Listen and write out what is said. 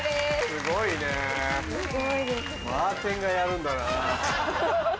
すごいねバーテンがやるんだな。